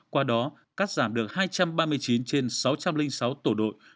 qua đó cắt giảm được hai trăm ba mươi chín trên sáu trăm linh sáu tổ đội